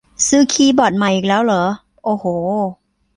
ซื้อคีย์บอร์ดใหม่อีกแล้วเหรอ โอ้โห